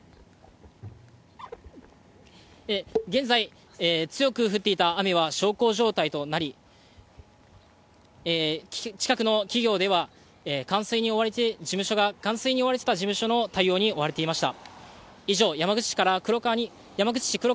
現在、強く降っていた雨は小康状態となり、近くの企業では、冠水に追われて、事務所が冠水に追われてた事務所の対応に追われていました。